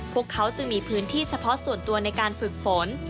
พวกเขาจึงมีพื้นที่เฉพาะส่วนตัวในการฝึกฝน